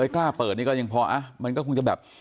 กล้าเปิดนี่ก็ยังพอมันก็คงจะแบบ